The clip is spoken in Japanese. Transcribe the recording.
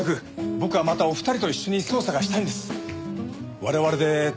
僕はまたお二人と一緒に捜査がしたいんです。